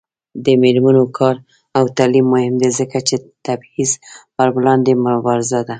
د میرمنو کار او تعلیم مهم دی ځکه چې تبعیض پر وړاندې مبارزه ده.